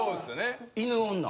犬女？